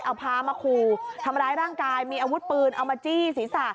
เอาพามาขู่ทำร้ายร่างกายมีอาวุธปืนเอามาจี้ศีรษะ